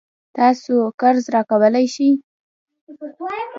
تاسو قرض راکولای شئ؟